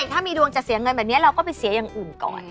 ถ้ามีดวงจะเสียเงินแบบนี้เราก็ไปเสียอย่างอื่นก่อน